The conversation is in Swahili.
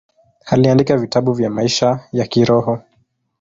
Aliandika vitabu vya maisha ya kiroho.